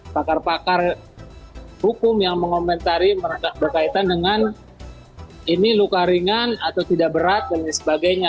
pakar pakar hukum yang mengomentari berkaitan dengan ini luka ringan atau tidak berat dan lain sebagainya